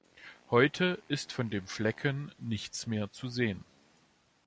Heute ist von dem Flecken nichts mehr zu sehen.